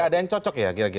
ada yang cocok ya kira kira